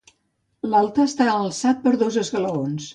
L'altar està alçat per dos esglaons.